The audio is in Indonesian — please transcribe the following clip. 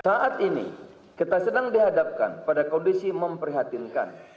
saat ini kita sedang dihadapkan pada kondisi memprihatinkan